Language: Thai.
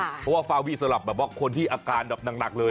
เพราะว่าฟาวีสำหรับแบบว่าคนที่อาการแบบหนักเลย